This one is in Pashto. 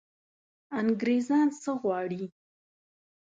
انګرېزان څه غواړي.